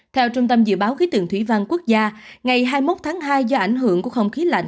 theo trung tâm dự báo khí tượng thủy văn quốc gia ngày hai mươi một tháng hai do ảnh hưởng của không khí lạnh